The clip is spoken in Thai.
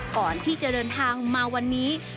ก่อนที่จะเดินทางมาวันนี้